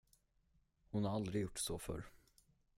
Hon har aldrig gjort så förr.